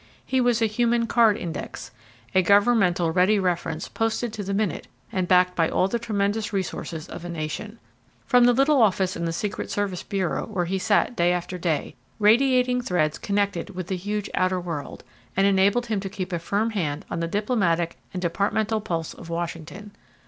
He was a human card index, a governmental ready reference posted to the minute and backed by all the tremendous resources of a nation. From the little office in the Secret Service Bureau, where he sat day after day, radiating threads connected with the huge outer world, and enabled him to keep a firm hand on the diplomatic and departmental pulse of Washington.